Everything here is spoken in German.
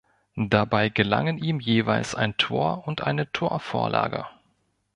Dabei gelangen ihm jeweils ein Tor und eine Torvorlage.